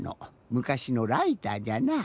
むかしのライターじゃなぁ。